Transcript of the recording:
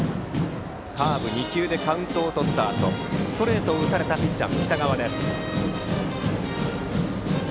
カーブ２球でカウントをとったあとストレートを打たれたピッチャーの北川。